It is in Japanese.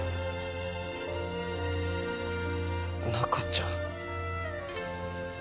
中ちゃん。